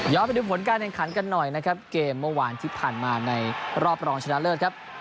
ไปดูผลการแข่งขันกันหน่อยนะครับเกมเมื่อวานที่ผ่านมาในรอบรองชนะเลิศครับ